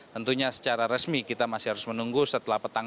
tentunya secara resmi kita masih harus menunggu setelah petang